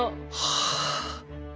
はあ。